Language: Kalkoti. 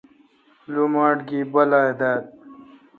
لوماٹ گی بالہ دال